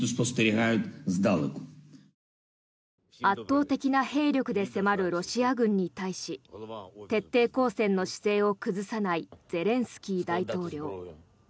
圧倒的な兵力で迫るロシア軍に対し徹底抗戦の姿勢を崩さないゼレンスキー大統領。